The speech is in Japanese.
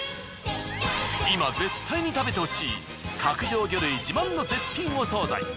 今絶対に食べてほしい角上魚類自慢の絶品お惣菜。